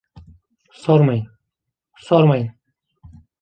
Sormayın, sormayın!